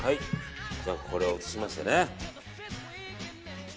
じゃあ、これを移しましてね